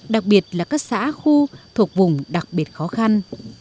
đặc biệt là các xã khu thuộc vùng đặc biệt khó khăn